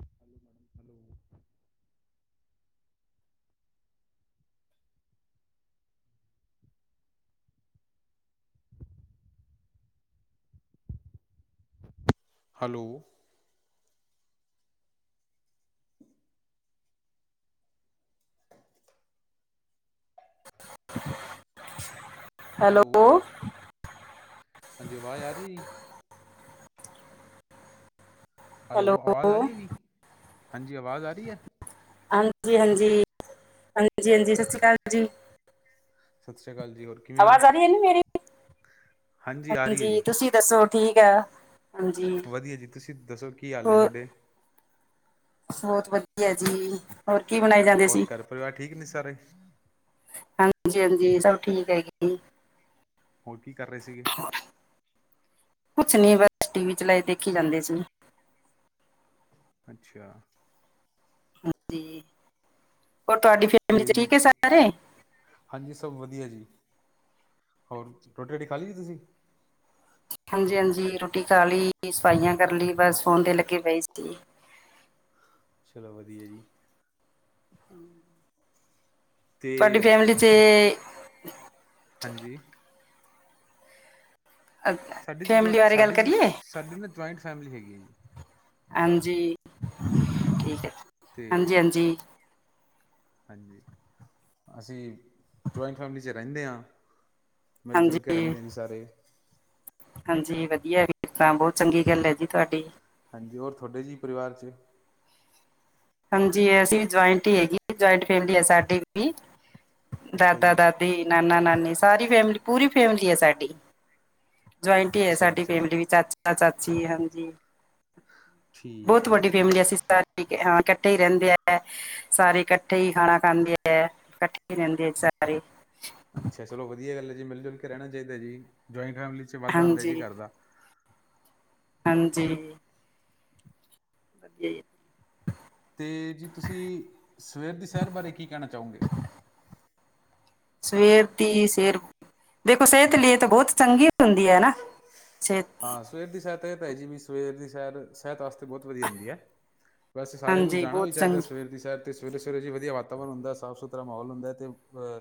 Hello madam hello. Hello, hello ਹਾਂਜੀ, ਆਵਾਜ਼ ਆ ਰਈ ਏ ਜੀ? ਹੈਲੋ ਆਵਾਜ਼ ਆ ਰਈ ਏ ਜੀ? ਹਾਂਜੀ ਆਵਾਜ਼ ਆ ਰਈ ਏ? ਹਾਂਜੀ-ਹਾਂਜੀ, ਹਾਂਜੀ-ਹਾਂਜੀ ਸਸੀ ਕਾਲ ਜੀ। ਸਤਿ ਸ੍ਰੀ ਅਕਾਲ ਜ਼ੀ ਹੋਰ? ਕਿਵੇਂ ਹੋ ਆਵਾਜ਼ ਆ ਰੀ ਏ ਨਾ ਮੇਰੀ? ਆ ਰਹੀ ਹੈ ਜੀ ਹਾਂਜੀ, ਤੁਸੀਂ ਦੱਸੋ ਠੀਕ ਆ? ਹਾਂਜੀ ਵਦੀਆ ਜੀ, ਤੁਸੀਂ ਦੱਸੋ ਕੀ ਹਾਲ ਨੇ ਤੁਆਡੇ? ਬੋਤ ਵਦੀਆ ਜੀ, ਹੋਰ ਕੀ ਬਣਾਏ ਜਾਂਦੇ ਹੋਰ ਸੀ? ਘਰ ਪਰਿਵਾਰ ਠੀਕ ਨੇ ਸਾਰੇ? ਹਾਂਜੀ- ਹਾਂਜੀ ਸਭ ਠੀਕ ਹੈਗੇ ਜੀ। ਹੋਰ ਕੀ ਕਰ ਰਏ ਸੀਗੇ? ਕੁਛ ਨੀ ਬਸ ਟੀ ਵੀ ਚਲਾਏ ਦੇਖੀ ਜਾਂਦੇ ਸੀ। ਅੱਛਾ ਹਾਂਜੀ, ਹੋਰ ਤੁਆਡੀ ਫੈਮਿਲੀ ਤੇ 'ਚ ਜੀ ਠੀਕ ਏ ਸਾਰੇ? ਹਾਂਜੀ ਸਭ ਵਦੀਆ ਜੀ, ਹੋਰ ਰੋਟੀ- ਰੂਟੀ ਖਾ ਲੀ ਜੀ ਤੁਸੀਂ? ਹਾਂਜੀ- ਹਾਂਜੀ ਰੋਟੀ ਖਾ ਲੀ, ਸਫਾਈਆਂ ਕਰ ਲੀ ਬਸ ਫੋਨ ਤੇ ਲੱਗੇ ਪਏ ਸੀ। ਚਲੋ ਵਦੀਆ ਜੀ। ਹੂੰ। ਤੇ ਤੁਆਡੀ ਫੈਮਿਲੀ 'ਚ ਹਾਂਜੀ। ਸਾਡੀ ਜੁਆ ਫੈਮਿਲੀ ਬਾਰੇ ਗੱਲ ਸਾਡੀ ਜ ਕਰੀਏ ਸਾਡੀ ਨਾ ਜੁਆਇੰਟ ਫੈਮਿਲੀ ਹੈਗੀ ਏ ਜੀ। ਹਾਂਜੀ, ਠੀਕ ਏ, ਅਤੇ ਹਾਂਜੀ-ਹਾਂਜੀ। ਹਾਂਜੀ ਅਸੀਂ ਜੁਆਇੰਟ ਫੈਮਿਲੀ 'ਚ ਰੇਂਦੇ ਆ। ਮਿਲ- ਜੁਲ ਕੇ ਹਾਂਜੀ ਰੇਂਦੇ ਆ ਜੀ ਸਾਰੇ। ਹਾਂਜੀ ਵਦੀਆ ਵੀਰ ਤਾਂ ਬੋਤ ਚੰਗੀ ਗੱਲ ਏ ਜੀ ਤੁਹਾਡੀ। ਹਾਂਜੀ, ਹੋਰ ਤੁਹਡੇ ਜੀ ਪਰਿਵਾਰ 'ਚ? ਹਾਂਜੀ ਅਸੀਂ ਵੀ ਜੁਆਇੰਟ ਈ ਹੈਗੀ ਜੁਆਇੰਟ ਫੈਮਲੀ ਏ ਸਾਡੀ ਵੀ, ਅੱਛਾ ਦਾਦਾ, ਜੀ ਦਾ ਦੀ ਨਾਨਾ-ਨਾਨੀ ਸਾਰੀ ਫੈਮਿਲੀ ਪੂਰੀ ਫੈਮਿਲੀ ਏ ਸਾਡੀ। ਜੁਆਇੰਟ ਈ ਏ ਅੱਛਾ ਜੀ ਸਾਡੀ ਚਲੋ ਫੈਮਿਲੀ ਵੀ ਚਾਚਾ-ਚਾਚੀ ਹਾਂਜੀ। ਠੀਕ ਬੋਤ ਹੈ ਵੱਡੀ ਜੀ ਫੈਮਿਲੀ ਅਸੀਂ ਸਾਰੇ ਇਕ ਇਕੱਠੇ ਈ ਰੇਂਦੇ ਐ। ਸਾਰੇ ਇਕੱਠੇ ਹੀ ਖਾਣਾ ਖਾਂਦੇ ਐ, ਕੱਠੇ ਈ ਰੇਂਦੇ ਐ ਸਾਰੇ। ਅੱਛਾ ਚਲੋ ਵਦੀਆ ਗੱਲ ਐ ਜੀ ਮਿਲ ਜੁਲ ਕੇ ਰੇਣਾ ਚਾਈਦਾ ਏ ਜੀ, ਜੁਆਇੰਟ ਫੈਮਲੀ 'ਚ ਵਾਧਾ ਹੁੰਦਾ ਜੀ ਹਾਂਜੀ ਘਰ ਦਾ। ਹਾਂਜੀ। ਵਦੀਆ ਈ ਏ। ਤੇ ਜੀ ਤੁਸੀਂ ਸਵੇਰ ਦੀ ਸੈਰ ਬਾਰੇ ਕੀ ਕਹਿਣਾ ਚਾਓਗੇ? ਸਵੇਰ ਦੀ ਸੇਰ ਦੇਖੋ ਸੇਹਤ ਲਈ ਏ ਤੇ ਬੋਤ ਚੰਗੀ ਹੁੰਦੀ ਏ ਨਾ ਸੇ ਹਾਂ ਸਵੇਰ ਦੀ ਸੇਰ ਤਾਂ ਏਤਾ ਹੈਜੀ ਬਈ ਸਵੇਰ ਦੀ ਸੇਰ ਸਿਹਤ ਵਾਸਤੇ ਬੋਤ ਵਧੀਆ ਹੁੰਦੀ ਹੈ, ਵੈਸੇ ਸਾਰਿਆਂ ਨੂੰ ਹਾਂਜੀ ਜਾਣਾ ਵੀ ਬਹੁਤ ਚਾਹੀਦਾ ਚੰਗੀ ਸਵੇਰ ਦੀ ਸੈਰ ਤੇ ਸਵੇਰੇ-ਸਵੇਰੇ ਜੀ ਵਧੀਆ ਵਾਤਾਵਰਨ ਹੁੰਦਾ ਏ, ਸਾਫ ਸੁਥਰਾ ਮਾਹੌਲ ਹੁੰਦਾ ਏ ਤੇ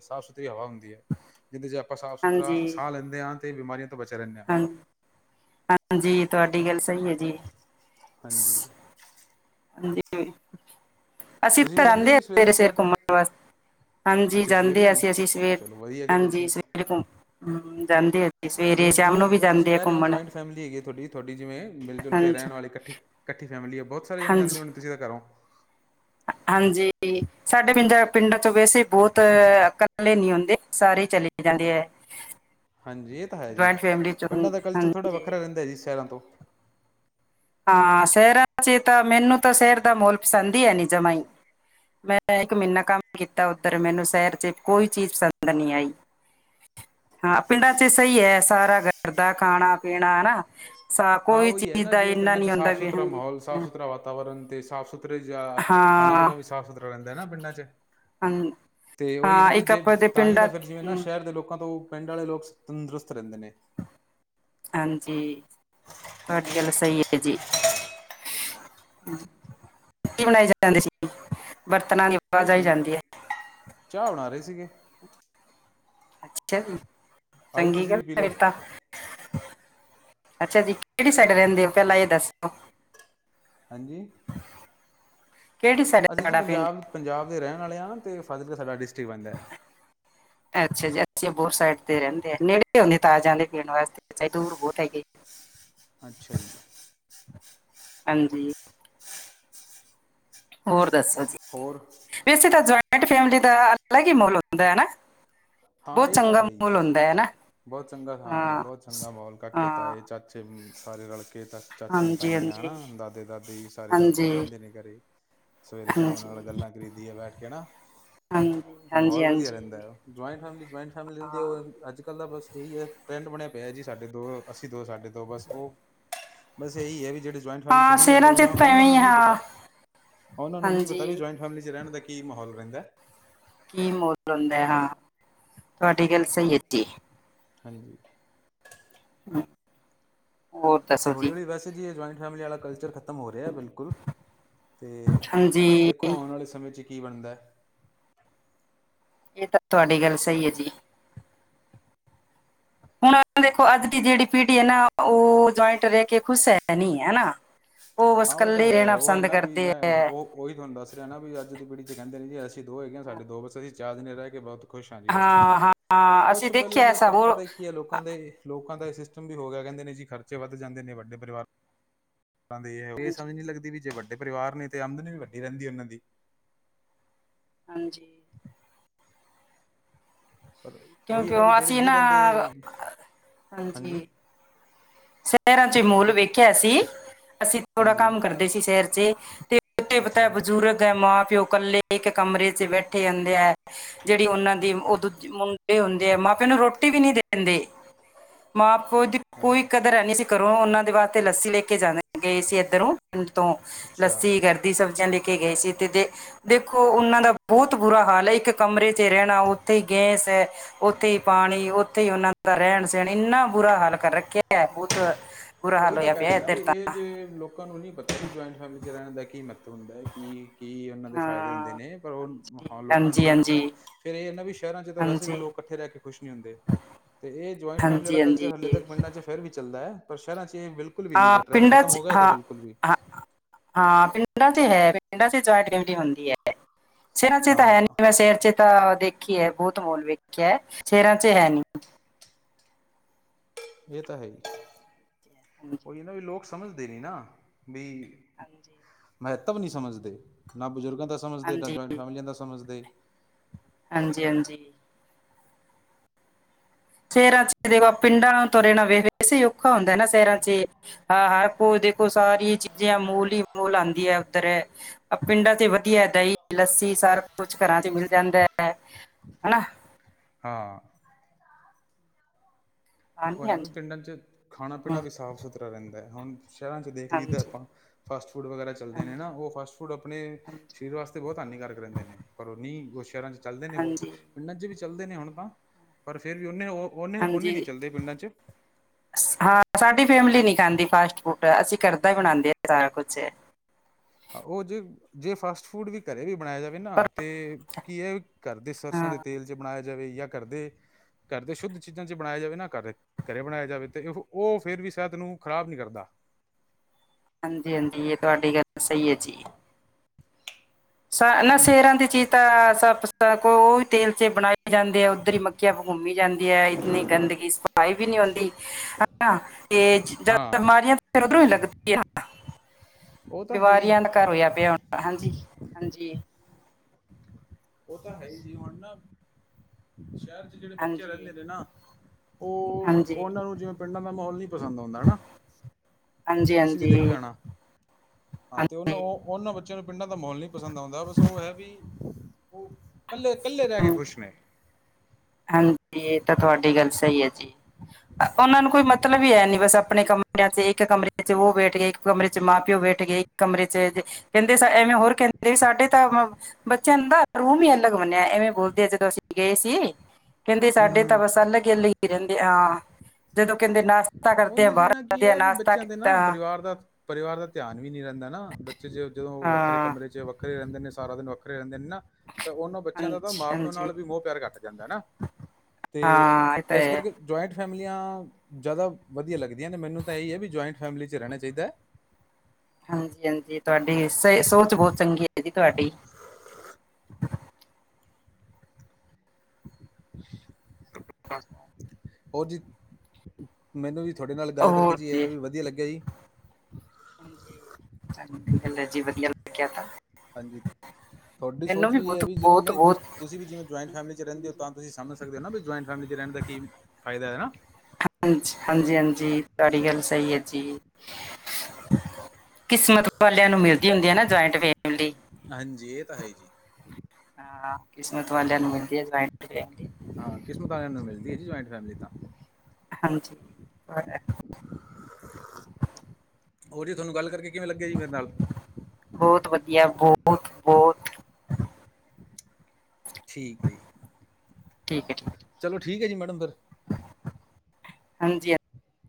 ਸਾਫ਼ ਸੁਥਰੀ ਹਵਾ ਹੁੰਦੀ ਏ। ਜਿਨਦੇ ਚ ਆਪਾਂ ਸਾਫ਼ ਸੁਥਰਾ ਹਾਂਜੀ ਸਾਹ ਲੈਂਦੇ ਆ ਤੇ ਬਿਮਾਰੀਆਂ ਤੋਂ ਬਚੇ ਰੇਨੇ ਆ। ਹਾਂ ਹਾਂਜੀ ਤੁਆਡੀ ਗੱਲ ਸਈ ਏ ਜੀ। ਹਾਂਜੀ ਹਾਂਜੀ, ਅਸੀਂ ਤੁਸੀਂ ਵੀ ਤਾਂ ਹੋ ਜਾਂਦੇ ਆ ਜੀ ਸਵੇਰ ਦੀ ਸੈਰ ਸਵੇਰੇ-ਸਵੇਰੇ ਤੇ ਘੁੰਮਣ ਵਾਸ ਹਾਂਜੀ ਅੱਛਾ ਸਵੇਰੇ ਜਾਂਦੇ ਅ ਜੀ ਅਸੀਂ ਅਸੀਂ ਸਵੇਰ ਚਲੋ ਵਧੀਆ ਗੱਲ ਹੈ ਜੀ ਹਾਂਜੀ ਸਵੇਰੇ ਘੁੰਮ ਹੁ ਜਾਂਦੇ ਅ ਜਿਵੇਂ, ਜਿਵੇਂ, ਜਿਵੇ ਤੁਸੀਂ ਕਹਿ ਰਏ ਓ ਜੁਆਇੰਟ ਫੈਮਿਲੀ ਹੈਗੀ ਏ ਤੁਹਾਡੀ, ਤੁਹਾਡੀ ਜਿਵੇਂ ਮਿਲ ਜੁਲ ਕੇ ਹਾਂਜੀ ਰਹਿਣ ਵਾਲੀ ਕੱਠੇ ਕੱਠੀ ਫੈਮਲੀ ਏ, ਬੋਤ ਸਾਰੇ ਜਣੇ ਹਾਂਜੀ ਜਾਂਦੇ ਹੋਣੇ ਤੁਸੀਂ ਤੇ ਘਰੋਂ? ਹਾਂਜੀ ਸਾਡੇ ਪਿੰਡਾਂ, ਪਿੰਡਾਂ ਚੋਂ ਵੈਸੇ ਬੋਤ ਘ ਕਲੇ ਨੀ ਹੁੰਦੇ ਸਾਰੇ ਈ ਚਲੇ ਜਾਂਦੇ ਏ। ਹਾਂਜੀ ਏ ਤਾ ਹੈ ਜੀ ਪਿੰਡਾਂ ਦਾ ਕਲਚਰ ਥੋੜ੍ਹਾ ਹਾਂਜੀ ਵੱਖਰਾ ਰੇਂਦਾ ਜੀ ਸ਼ਹਿਰਾਂ ਤੋਂ ਹਾਂ ਸ਼ਹਿਰਾਂ ਚ ਤਾਂ ਮੈਨੂੰ ਤਾਂ ਸ਼ਹਿਰ ਦਾ ਮਹੋਲ ਪਸੰਦ ਹੀ ਹੈ ਨੀ ਜਮਾ ਹੀ ਮੈਂ ਇੱਕ ਮਹੀਨਾ ਕੰਮ ਕੀਤਾ ਉੱਧਰ ਮੈਨੂੰ ਸ਼ਹਿਰ ਚ ਕੋਈ ਚੀਜ਼ ਪਸੰਦ ਨੀ ਆਈ [unintelligible] ਹਾਂ ਪਿੰਡਾਂ ਚ ਸਹੀ ਹੈ ਸਾਰਾ ਗਰਦਾ ਖਾਣਾ ਪੀਣਾ ਹਨਾ ਸਾ ਹਾਂ ਕੋਈ ਉਹੀ ਹੈ ਚੀਜ਼ ਨਾ ਦਾ ਹੀ ਜਿਵੇਂ ਪਿੰਡਾਂ ਚ ਸਾਫ਼ ਸੁਥਰਾ ਮਾਹੌਲ ਸਾਫ਼ ਸੁਥਰਾ ਵਾਤਾਵਰਨ ਤੇ ਸਾਫ਼ ਸੁਥਰੇ ਜਾਂ ਖਾਣਾ ਪੀਣਾ ਵੀ ਹਾਂ ਸਾਫ਼ ਸੁਥਰਾ ਰਹਿੰਦਾ ਹੈ ਨਾ ਪਿੰਡਾਂ ਚ ਤੇ ਉਹੀ ਹੈ ਨਾ ਹਾਂ ਵੀ ਇੱਕ ਜੇ ਆਪਾਂ ਦੇ ਤਾਂ ਹੀ ਪਿੰਡਾਂ ਤਾਂ ਫਿਰ ਜਿਵੇਂ ਨਾ ਸ਼ਹਿਰ ਦੇ ਲੋਕਾਂ ਤੋਂ ਪਿੰਡ ਵਾਲੇ ਲੋਕ ਤੰਦਰੁਸਤ ਰਹਿੰਦੇ ਨੇ ਹਾਂਜੀ ਤੁਹਾਡੀ ਗੱਲ ਸਹੀ ਹੈ ਜੀ ਕੀ ਬਣਾਈ ਜਾਂਦੇ ਸੀ ਬਰਤਨਾਂ ਦੀ ਆਵਾਜ਼ ਕੁਛ ਆਈ ਨਹੀਂ ਜਾਂਦੀ ਹੈ ਚਾਹ ਬਣਾ ਰਹੇ ਸੀਗੇ ਠੀਕ ਹੈ ਜੀ ਆਜੋ ਚੰਗੀ ਤੁਸੀਂ ਗੱਲ ਵੀ ਪੀ ਲਓ ਫਿਰ ਤਾਂ ਅੱਛਾ ਜੀ ਕਿਹੜੀ ਸਾਈਡ ਰਹਿੰਦੇ ਓ ਪਹਿਲਾਂ ਇਹ ਦੱਸੋ ਹਾਂਜੀ ਕਿਹੜੀ ਸਾਈਡ ਹੈ ਅਸੀਂ ਜੀ ਤੁਹਾਡਾ ਪਿੰਡ ਪੰਜਾਬ ਪੰਜਾਬ ਦੇ ਰਹਿਣ ਵਾਲੇ ਹਾਂ ਅਤੇ ਫਾਤਿਹਗੜ੍ਹ ਸਾਡਾ ਡਿਸਟਰਿਕ ਬਣਦਾ ਹੈ ਅੱਛਾ ਜ ਅਸੀ ਅਬੋਰ ਸਾਈਡ ਤੇ ਰਹਿੰਦੇ ਆ ਨੇੜੇ ਤਾਜ਼ ਆ ਦੇ ਪੀਣ ਵਾਸਤੇ ਅੱਛਾ ਦੂਰ ਬਹੁਤ ਹੈਗੀ ਅੱਛਾ ਜੀ ਹਾਂਜੀ ਹੋਰ ਦੱਸੋ ਜੀ ਹੋਰ ਵੈਸੇ ਤਾਂ ਜੁਆਇੰਟ ਫੈਮਿਲੀ ਦਾ ਅਲੱਗ ਹੀ ਮਾਹੋਲ ਹੁੰਦਾ ਹੈ ਨਾ ਹਾਂ ਬਹੁਤ ਇਹ ਤਾਂ ਚੰਗਾ ਹੈ ਹੀ ਮਹੋਲ ਜੀ ਹੁੰਦਾ ਹੈ ਨਾ ਬਹੁਤ ਚੰਗਾ ਹਾਂ ਬਹੁਤ ਚੰਗਾ ਮਾਹੌਲ ਕਾਕੇ ਹਾਂ ਤਾਏ ਚਾਚੇ ਸਾਰੇ ਰਲਕੇ ਤ ਚਾਚੀਆਂ ਹਾਂਜੀ ਤਾਈਆਂ ਹਾਂਜੀ ਹਨਾ ਦਾਦੇ ਦਾਦੀ ਸਾਰੇ ਰਲ ਕੇ ਹਾਂਜੀ ਬਹਿੰਦੇ ਨੇ ਘਰੇ ਸਵੇਰੇ ਸ਼ਾਮ ਹਾਂਜੀ ਨਾਲ ਗੱਲਾਂ ਕਰੀਦੀਆ ਬੈਠ ਕੇ ਨਾ ਹਾਂਜੀ ਤੇ ਹਾਂਜੀ ਮਾਹੌਲ ਵਧੀਆ ਰਹਿੰਦਾ ਹਾਂਜੀ ਜੋਇੰਟ ਫੈਮਿਲੀ ਜੋਇੰਟ ਫੈਮਲੀ ਉਹ ਅੱਜ ਕੱਲ ਦਾ ਬਸ ਇਹੀ ਹੈ ਟਰੈਂਡ ਬਣਿਆ ਪਿਆ ਜੀ ਸਾਡੇ ਦੋ ਅਸੀਂ ਦੋ ਸਾਡੇ ਦੋ ਬਸ ਉਹ ਬਸ ਏਈ ਐ ਵੀ ਜੇੜੇ ਜੁਆਇੰਟ ਫੈਮਲੀ ਚ ਹਾਂ ਨਈ ਰੈਂਦੇ ਸੇਰਾਂ ਚ ਓਨਾਂ ਤਾਂ ਓਨਾ ਐਵੇਂ ਹੀ ਨੂੰ ਆ, ਨਈ ਹਾਂ ਪਤਾ ਓਨਾਂ ਨੂੰ ਨੀ ਪਤਾ ਵੀ ਹਾਂਜੀ ਜੁਆਇੰਟ ਫੈਮਲੀ ਚ ਰੈਣ ਦਾ ਕੀ ਮਾਹੌਲ ਰੈਂਦੈ ਕੀ ਮੋਲ ਹੁੰਦਾ ਹਾਂ ਤੁਹਾਡੀ ਗੱਲ ਸਈ [unintelligible] ਹਾਂਜੀ। [unintelligible] ਹੋਰ ਤੇ ਹੋਲੀ-ਹੋਲੀ ਵੈਸੇ ਜੀ ਏ ਜਆਇੰਟ ਫੈਮਲੀ ਵਾਲਾ ਕਲਚਰ ਖਤਮ ਹੋ ਰਿਆ ਬਿਲ ਕੁੱਲ ਅਲਤੇ ਹਾਂਜੀ ਦੇਖੋ ਓਣ ਇਹ ਆਲੇ ਸਮੇਂ ਚ ਕੀ ਬਣਦੈ। ਏ ਤਾਂ ਤੁਹਾਡੀ ਗੱਲ ਸਈ ਐ ਜੀ। ਹੁਣ ਦੇਖੋ ਅੱਜ ਦੀ ਜੇੜੀ ਪੀੜ੍ਹੀ ਐ ਨਾ ਓ ਜੁਆਇੰਟ ਰੈ ਕੇ ਖੁਸ਼ ਹੈ ਨੀ ਹੈਨਾ। ਹਾਂ ਓ ਤਾਂ ਹੈ ਓ ਐ ਨਾ ਵੀ ਕਰਦੇ ਮੈਂ ਹੈ ਓ ਓਈ ਥੋਂਨੂੰ ਦੱਸ ਰਿਆ ਨਾ ਵੀ ਅੱਜ ਦੀ ਪੀੜੀ ਚ ਕੈਂਦੇ ਨੇ ਜੀ ਅਸੀ ਦੋ ਹੈਗੇ ਸਾਡੇ ਦੋ ਬੱਸ ਅਸੀਂ ਚਾਰ ਦਿਨ ਰੈ ਕੇ ਬੋਤ ਖੁਸ਼ ਆਂਜੀ ਬਸ ਠੀਕ ਐ ਹਾਂ ਹਾਂ ਅਸੀਂ ਕੁਛ ਪੈਲਾਂ ਦੇਖਿਆ ਦੇ ਐਸਾ ਪ ਹੋਰ ਪਤਾ ਕੀ ਐ ਲੋਕਾਂ ਦੇ ਲੋਕਾਂ ਦਾ ਏ ਸਿਸਟਮ ਵੀ ਹੋ ਗਿਆ ਕੈਂਦੇ ਨੇ ਜੀ ਖਰਚੇ ਵੱਧ ਜਾਂਦੇ ਨੇ ਵਡੇ ਪਰਿਵਾਰ [unintelligible] ਦੀ ਰ ਹਾਂਜੀ ਸਮਝ ਨੀ ਲੱਗਦੀ ਵੀ ਜੇ ਵੱਡੇ ਪਰਿਵਾਰ ਨੇ ਤੇ ਆਮਦਨ ਵੀ ਵੱਡੀ ਰੈਂਦੀ ਉਨਾਂ ਦੀ ਹਾਂਜੀ ਪਰ ਉਹੀ ਹੈ ਕਿਉਂਕੀ ਨਾ ਓ ਵੀ ਜਿਹੜੇ ਅਸੀਂ ਨਹੀਂ ਨਾ ਰਹਿੰਦੇ ਹਾਂਜੀ ਹਾਂਜੀ ਸ਼ੈਰਾਂ ਚ ਮੋਲ ਠੀਕ ਹੈ ਵੇਖਿਆ ਸੀ ਅਸੀਂ ਥੋੜਾ ਹਾਂਜੀ ਕੰਮ ਕਰਦੇ ਸੀ ਸ਼ੈਰ ਚੇ ਤੇ [unintelligible] ਪਤਾ ਅੱਛਾ ਬਜ਼ੁਰਗ ਐ ਮਾਂ-ਪਿਓ ਕੱਲੇ ਇਕ ਕਮਰੇ ਚ ਬੈਠੇ ਹੁੰਦੇ ਐ ਜੇੜੀ ਉਨਾਂ ਦੀ ਓ ਦੂਜੇ ਮੁੰਡੇ ਹੁੰਦੇ ਐ ਮਾ-ਪਿਓ ਨੂੰ ਰੋਟੀ ਵੀ ਨੀ ਦਿੰਦੇ। ਮਾਂ [unintelligible] ਦੀ ਹੈ ਕੋਈ ਕਦਰ ਹੈਨੀ ਸੀ ਘਰੋ ਓਨਾਂ ਦੇ ਵਾਸਤੇ ਲੱਸੀ ਲੈਕੇ ਜਾਂਨੈ ਗਏ ਸੀ ਇੱਧਰੋਂ ਪਿੰਡ ਤੋਂ ਅੱਛਾ ਲੱਸੀ ਗਰਦੀ ਸਬਜ਼ੀਆਂ ਲੈ ਕੇ ਗਏ ਸੀ ਤੇ ਦੇ ਦੇਖੋ ਓਨਾਂ ਦਾ ਬੋਤ ਬੁਰਾ ਹਾਲ ਐ ਇੱਕ ਕਮਰੇ ਤੇ ਰੈਣਾ ਓਥੇ ਈ ਗੈਸ ਐ। ਓਥੇ ਹੀ ਪਾਣੀ, ਪਥੇ ਹੀ ਪਨਾ ਦਾ ਰੈਣ-ਸੈਣ ਇੰਨਾ ਬੁਰਾ ਹੱਲ ਕਰ ਰੱਖਿਆ। ਐ ਬੋਤ। ਓਈ ਤਾਂ ਕੈ ਦਿੰਦਾ ਵੀ ਰ ਜੇ ਲੋਕਾਂ ਨੂੰ ਨੀ ਪਤਾ ਵੀ ਜੁਆਇੰਟ ਫੈਮਿਲੀ ਚ ਰੈਣ ਦਾ ਕੀ ਮੱਤਵ ਹੁੰਦਾ ਕੀ ਕੀ ਉਨਾਂ ਦੇ ਫਾਇਦੇ ਹੁੰਦੇ ਹਾਂ ਨੇ ਪਰ ਓ ਮ ਹਾਂਜੀ ਲੋਕਾਂ ਨੂੰ ਹਾਂਜੀ ਨੀ ਹਾਂਜੀ ਪਤਾ। ਫੇਰ ਏ ਐ ਨਾ ਵੀ ਸ਼ੈਰਾਂ ਚ ਤਾਂ ਵੈਸੇ ਵੀ ਹਾਂਜੀ ਲੋਕ ਕੱਠੇ ਰੈ ਕੇ ਖੁਸ਼ ਨੀ ਹੁੰਦੇ ਤੇ ਏ ਜੁਆਂਇੰਟ ਫੈਮਲੀ ਵਾਲਾ ਹਾਂਜੀ ਕਲਚਰ ਹਾਂਜੀ ਹਾਲੇ ਤੱਕ ਪਿੰਡਾਂ ਚ ਫੇਰ ਵੀ ਚੱਲਦੈ ਪਰ ਸ਼ੈਰਾਂ ਚ ਏ ਬਿੱਲ ਹਾਂ ਪਿੰਡ ਚ ਹਾਂ-ਹਾਂ ਹਾਂ ਪਿੰਡਾਂ ਤੇ ਹੈ ਪਿੰਡਾਂ ਚ ਜੁਆਇਟ [unintelligible] ਹੁੰਦੀ ਐ ਸ਼ੈਰਾਂ ਚ ਤਾਂ ਹੈ ਹਾਂ ਨੀ [unintelligible] ਤਾਂ ਦੇਖੀਏ ਬੀਤ ਮੋਲ ਵੇਖਿਐ ਸ਼ੈਰਾਂ ਚ ਹੈ ਨੀ। ਏ ਤਾਂ ਹੈ ਈ। [inaudible] ਓਈ ਐ ਨਾ ਵੀ ਲੋਕ ਸਮਝਦੇ ਨੀ ਨਾ ਬੀ ਹਾਂਜੀ। ਮਹੱਤਵ ਨੀ ਸਮਝਦੇ। ਨਾ ਬਜ਼ੁਰਗਾਂ ਦਾ ਸਮਝਦੇ, ਨਾ ਹਾਂਜੀ ਜੋਆਂਇੰਟ ਫੈਮਲੀਆਂ ਦਾ ਸਮਝਦੇ। ਹਾਂਜੀ-ਹਾਂਜੀ। ਸ਼ੈਰਾਂ ਚ ਦੇਖੋ ਪਿੰਡਾਂ ਨੂੰ ਤੁਰੇ ਨਾਲ ਵੇਖ ਸੀ ਔਖਾ ਹੁੰਦਾ ਨਾ ਸ ਸ਼ੈਰਾ ਚੇ ਹਾਂ-ਹਾਂ [unintelligible] ਦੇਖੋ ਸਾਰੀ ਚੀ ਜੇ ਮੂਲ ਈ ਮੂਲ ਆਂਦੀ ਆ ਉੱਧਰ ਪਿੰਡਾਂ ਚ ਵਧੀਆ ਦਈ ਲੱਸੀ ਸਾਰ ਕੁਛ ਘਰਾਂ ਚ ਮਿਲ ਜਾਂਦੈ ਹਨਾ। ਹਾਂ। ਓ ਐ ਹਾਂਜੀ ਨਾ ਵੀ ਹਾਂਜੀ ਪਿੰਡਾਂ ਚ ਖਾਣਾ-ਪੀਣਾ ਹਮ, ਵੀ ਸਾਫ਼ ਸੁਥਰਾ ਰੈਂਦੈ ਹੈਲ ਹੁਣ ਸ਼ੈਰਾਂ ਚ ਦੇਖ ਲਈਦਾ ਹਾਂਜੀ ਆਪਾਂ ਫਾਸਟ ਫੂਡ ਵਗੈਰਾ ਚੱਲਦੇ ਨੇ ਹਾਂਜੀ ਨਾ ਓ ਫਾਸਟ ਫੂਡ ਆਪਣੇ ਹਾਂਜੀ ਸਰੀਰ ਵਾਸਤੇ ਬੋਤ ਹਾਨੀਕਾਰਕ ਰੈਂਦੇ ਨੇ ਪਰ ਓ ਨੀ ਓ ਸ਼ੈਰਾਂ ਚ ਚੱਲਦੇ ਨੇ ਬੌਤ ਹਾਂਜੀ ਪਿੰਡਾਂ ਚ ਵੀ ਚੱਲਦੇ ਨੇ ਹੁਣ ਤਾਂ, ਪਰ ਫਿਰ ਵੀ ਉਨੇ-ਉਨੇ-ਉਨੇ ਨੀ। ਹਾਂਜੀ ਦੇ ਪਿੰਡਾਂ ਚ'? ਹਾਂ, ਸਾਡੀ ਫੈਮਿਲੀ ਨੀ ਖਾਂਦੀ ਫਾਸਟ ਫੂਡ ਅਸੀਂ ਘਰਦਾ ਈ ਬਣਾਦੇ ਆ ਸਾਰਾ ਕੁਛ। ਹਾਂ, ਉਹ ਜੇ-ਜੇ ਫਾਸਟ ਫੂਡ ਵੀ ਘਰੇ ਵੀ ਬਣਾਇਆ ਜਾਵੇ ਨਾ ਪਰ ਤੇ, ਕੀ ਏ ਘਰਦੇ ਸਰਸੋਂ ਹਾਂ ਦੇ ਤੇਲ ਚ' ਬਣਾਇਆ ਜਾਵੇ ਜਾਂ ਘਰਦੇ ਘਰਦੇ ਸ਼ੁੱਧ ਚੀਜ਼ਾਂ ਚ' ਬਣਾਇਆ ਜਾਵੇ ਨਾ ਘਰਰ ਘਰੇ ਬਣਾਇਆ ਜਾਵੇ ਤੇ ਉਹ ਫੇਰ ਵੀ ਸਿਹਤ ਨੂੰ ਖ਼ਰਾਬ ਨੀ ਕਰਦਾ। ਹਾਂਜੀ-ਹਾਂਜੀ ਇਹ ਤੁਹਾਡੀ ਗੱਲ ਸਹੀ ਐ ਜੀ। ਨਾ ਸੇਰਾਂ ਦੀ ਚੀਜ਼ ਤਾਂ ਸ ਉਹ ਈ ਤੇਲ ਚ' ਬਣਾ ਜਾਂਦੇ ਆ ਉੱਧਰ ਈ ਮਖੀਆ ਘੁੰਮੀ ਜਾਂਦੀ ਐ ਇਤਨੀ ਗੰਦਗੀ ਸਫਾਈ ਵੀ ਨੀ ਹੁੰਦੀ, ਹਨਾ। ਤੇ ਜ ਹਾਂ ਬਿਮਾਰੀਆਂ ਫਿਰ ਉੱਧਰੋਂ ਈ ਲੱਗਦੀਆਂ। ਉਹ ਤਾਂ ਹੈ ਹੀ ਬਿਮਾਰੀਆਂ ਦਾ ਘਰ ਹੋਇਆ ਪਿਆ ਹੁਣ ਤੇ ਹਾਂਜੀ, ਹਾਂਜੀ। ਉਹ ਤਾਂ ਹੈ ਹੀ ਜੀ ਹੁਣ ਨਾ, ਸੈਰ ਚ' ਜਿਹੜੇ ਬੱਚੇ ਹਾਂਜੀ ਰਹਿੰਦੇ ਹਾਂਜੀ ਨੇ ਨਾ ਉਹ ਹਾਂਜੀ ਉਨਾਂ ਨੂੰ ਜਿਵੇਂ ਪਿੰਡਾਂ ਦਾ ਮਾਹੌਲ ਨੀ ਪਸੰਦ ਆਉਂਦਾ ਨਾ। ਤੁਸੀਂ ਵੀ ਹਾਂਜੀ ਦੇਖਿਆ ਹੋਨਾ, ਹਾਂ ਤੇ ਉਨੂੰ ਹਾਂਜੀ ਉਹ ਉਨਾਂ ਬੱਚਿਆਂ ਨੂੰ ਪਿੰਡਾਂ ਦਾ ਮੌਲ ਨੀ ਪਸੰਦ ਆਉਂਦਾ ਬਸ ਉਹ ਐ ਆ ਵੀ ਉਹ ਕੱਲੇ-ਕੱਲੇ ਰਹਿ ਕੇ ਖੁਸ਼ ਨੇ। ਹਾਂਜੀ, ਇਹ ਤਾਂ ਤੁਹਾਡੀ ਗੱਲ ਸਹੀ ਐ ਜੀ। ਉਨਾਂ ਨੂੰ ਕੋਈ ਮਤਲਬ ਹੀ ਹੈ ਨੀ ਬਸ, ਆਪਣੇ ਕਮਰਿਆਂ ਚ' ਇੱਕ ਕਮਰੇ ਚ' ਉਹ ਬੈਠ ਗਏ, ਇੱਕ ਕਮਰੇ ਚ' ਮਾਂ-ਪਿਓ ਬੈਠ ਗਏ। ਕਮਰੇ ਚ' ਜੇ ਕਹਿੰਦੇ ਐਵੇਂ ਹੋਰ ਕਹਿੰਦੇ ਸਾਡੇ ਤਾਂ ਬੱਚਿਆਂ ਦਾ ਰੂਮ ਹੀ ਅਲੱਗ ਬਨਿਆ ਐਵੇਂ ਬੋਲਦੇ ਆ ਜਦੋਂ ਅਸੀਂ ਗਏ ਸੀ। ਕਹਿੰਦੇ ਹੂੰ ਸਾਡੇ ਤਾਂ ਹੂੰ ਬਸ ਅਲੱਗ ਹੀ ਅਲੱਗ ਰਹਿੰਦੇ ਆ। ਜਦੋਂ ਕਿੰਦੇ ਨਾਸ਼ਤਾ ਕਰਦੇ ਆ ਬਾਹਰ ਜਾਂਦੇ ਆ ਨਾਸ਼ਤਾ ਕੀਤਾ। ਬਾਰ ਦਾ, ਪਰਿਵਾਰ ਦਾ ਧਿਆਨ ਵੀ ਨੀ ਰਹਿੰਦਾ ਨਾ, ਬੱਚੇ ਜੇ ਜਦੋਂ ਵੱਖਰੇ ਕਮਰੇ ਚ' ਵ ਵੱਖਰੇ ਰਹਿੰਦੇ ਨੇ ਸਾਰਾ ਦਿਨ ਵੱਖਰੇ ਰਹਿੰਦੇ ਨੇ ਨਾ। ਤਾਂ ਉਨਾਂ ਬੱਚਿਆਂ ਦਾ ਤਾਂ ਹਾਂਜੀ ਮਾਂ- ਪਿਓ ਹਾਂਜੀ ਨਾਲ ਵੀ ਮੋਹ ਪਿਆਰ ਘੱਟ ਜਾਂਦਾ ਹਨਾ ਤੇ ਹਾਂ ਇਹ ਤਾਂ ਇਸ ਹੈ ਕਰਕੇ ਜੁਆਇੰਟ ਫੈਮਲੀਆਂ, ਜ਼ਿਆਦਾ ਵਧੀਆ ਲੱਗਦੀਆਂ ਨੇ ਮੈਨੂੰ ਤਾਂ ਇਹੀ ਆ ਵੀ ਜੁਆਇੰਟ ਫੈਮਿਲੀ 'ਚ ਰਹਿਣਾ ਚਾਈਦਾ। ਹਾਂਜੀ, ਹਾਂਜੀ ਤੁਆਡੀ ਸ ਸੋਚ ਬੌਹ ਚੰਗੀ ਆ ਜੀ ਤੁਆਡੀ। [unintelligible] [unintelligible] ਔ ਜੀ ਮੈਨੂੰ ਵੀ ਥੋਆਡੇ ਨਾਲ ਗੱਲ ਕਰਕੇ ਜੀ ਇਹ ਵੀ ਵਧੀਆ ਲੱਗਿਆ ਜੀ। ਚੰਗੀ ਗੱਲ ਆ ਜੀ ਵਧੀਆ ਲੱਗਿਆ ਤਾ। ਹਾਂਜੀ ਥੋਡੀ ਸੋਚ ਵੀ ਬਹੁਤ ਇਹ ਵੀ ਜਦੋਂ ਬਹੁਤ ਨਾ ਤੁ ਬਹੁਤ ਤੁਸੀਂ ਵੀ ਜਿਵੇ ਜੁਆਇੰਟ ਫੈਮਲੀ 'ਚ ਰਹਿੰਦੇ ਓ ਤਾਂ ਤੁਸੀਂ ਸਮਝ ਸਕਦੇ ਓ ਨਾ ਵੀ ਜੁਆੰਇੰਟ ਫੈਮਲੀ ਰਹਿਣ ਦਾ ਕੀ ਫਾਇਦਾ ਹੈਨਾ। ਹ ਹਾਂਜੀ, ਹਾਂਜੀ ਤੁਹਾਡੀ ਗੱਲ ਸਈ ਐ ਜੀ। ਕਿਸਮਤ ਵਾਲਿਆਂ ਨੂੰ ਮਿਲਦੀ ਹੁੰਦੀ ਆ ਨਾ ਜਆਇੰਟ ਫੈਮਲੀ। ਹਾਂਜੀ ਇਹ ਤਾਂ ਹੈ ਹੀ ਜੀ ਹਾਂ ਕਿਸਮਤ ਵਾਲਿਆਂ ਨੂੰ ਮਿਲਦੀ ਆ ਜੂਆਇੰਟ ਫੈਮਿਲੀ ਹਾਂ ਕਿਸਮਤ ਆਲਿਆਂ ਨੂੰ ਮਿਲਦੀ ਆ ਜੀ ਜੁਆਇੰਟ ਫੈਮਲੀ ਤਾਂ। ਹਾਂਜੀ। ਹੋਰ ਜੀ ਥੋਨੂੰ ਗੱਲ ਕਰਕੇ ਕਿਵੇਂ ਲੱਗੇਆ ਜੀ ਮੇਰੇ ਨਾਲ। ਬੌਤ ਵਧੀਆ ਬੌਤ, ਬੌਤ। ਠੀਕ ਆ ਜੀ, ਠੀਕ ਹੈ ਠੀਕ ਹੈ। ਚਲੋ ਠੀਕ ਆ ਜੀ ਮੈਡਮ ਫਿਰ। ਹਾਂਜੀ।